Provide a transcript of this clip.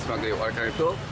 sampai habis panggil warga itu